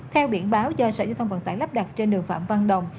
theo biển báo do sở giao thông vận tải lắp đặt trên đường phạm văn đồng